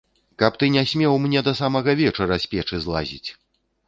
Каб ты не смеў мне да самага вечара з печы злазіць!